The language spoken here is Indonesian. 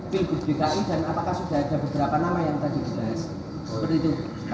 pilih bki dan apakah sudah ada beberapa nama yang tadi diberi